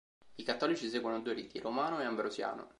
I cattolici seguono due riti: romano e ambrosiano.